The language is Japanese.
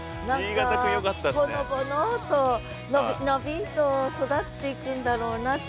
ほのぼのと伸び伸びと育っていくんだろうなって。